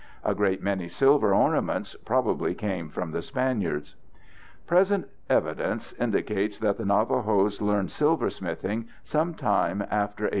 A great many silver ornaments probably came from the Spaniards. Present evidence indicates that the Navajos learned silversmithing sometime after 1850.